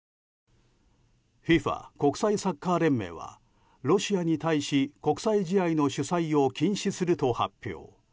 ＦＩＦＡ・国際サッカー連盟はロシアに対し国際試合の主催を禁止すると発表。